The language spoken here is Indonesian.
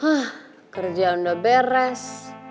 hah kerjaan udah beres